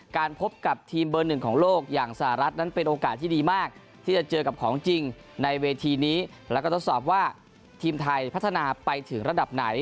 การพบกับทีมเบอร์หนึ่งของโลกอย่างสหรัฐนั้นเป็นโอกาสที่ดีมากที่จะเจอกับของจริงในเวทีนี้แล้วก็ทดสอบว่าทีมไทยพัฒนาไปถึงระดับไหน